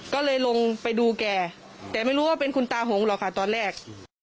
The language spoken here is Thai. ก็เลยลงไปดูแกแต่ไม่รู้ว่าเป็นคุณตาหงหรอกค่ะตอนแรก